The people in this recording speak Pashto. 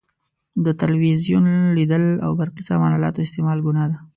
د تلویزیون لیدل او برقي سامان الاتو استعمال ګناه ده.